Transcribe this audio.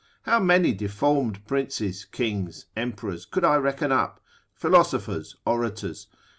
How many deformed princes, kings, emperors, could I reckon up, philosophers, orators?